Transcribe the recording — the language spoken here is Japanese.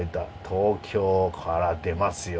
東京から出ますよ。